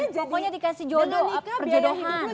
pokoknya dikasih jodoh perjodohan